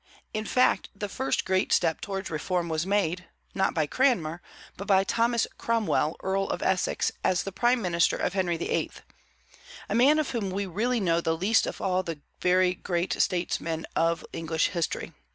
In fact, the first great step towards reform was made, not by Cranmer, but by Thomas Cromwell, Earl of Essex, as the prime minister of Henry VIII., a man of whom we really know the least of all the very great statesmen of English history.